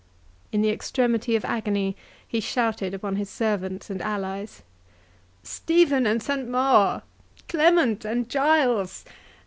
In the extremity of agony he shouted upon his servants and allies—"Stephen and Saint Maur!—Clement and Giles!